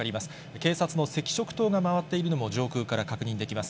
警察の赤色灯が回っているのも上空から確認できます。